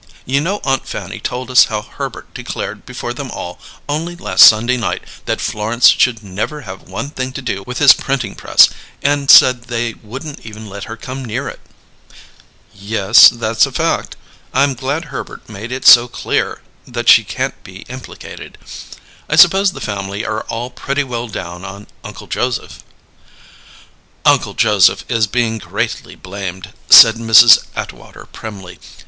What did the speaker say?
You know Aunt Fanny told us how Herbert declared before them all, only last Sunday night, that Florence should never have one thing to do with his printing press, and said they wouldn't even let her come near it." "Yes, that's a fact. I'm glad Herbert made it so clear that she can't be implicated. I suppose the family are all pretty well down on Uncle Joseph?" "Uncle Joseph is being greatly blamed," said Mrs. Atwater primly.